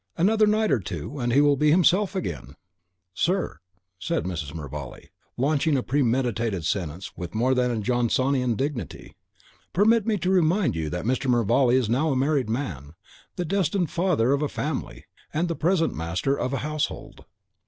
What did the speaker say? Another night or two, and he will be himself again!" "Sir," said Mrs. Mervale, launching a premeditated sentence with more than Johnsonian dignity, "permit me to remind you that Mr. Mervale is now a married man, the destined father of a family, and the present master of a household."